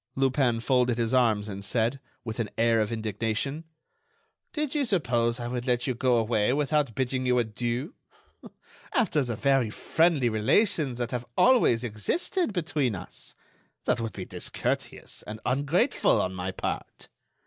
Lupin folded his arms and said, with an air of indignation: "Did you suppose I would let you go away without bidding you adieu? After the very friendly relations that have always existed between us! That would be discourteous and ungrateful on my part."